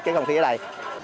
cái không khí ở đây